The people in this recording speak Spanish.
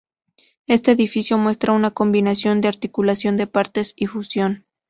Este edificio muestra una combinación de articulación de partes y fusión.